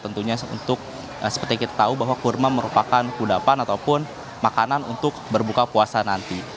tentunya untuk seperti kita tahu bahwa kurma merupakan kudapan ataupun makanan untuk berbuka puasa nanti